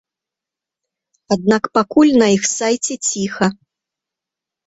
Аднак пакуль на іх сайце ціха.